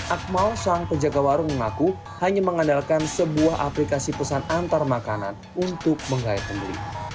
akmal sang penjaga warung mengaku hanya mengandalkan sebuah aplikasi pesan antarmakanan untuk menggaya pembeli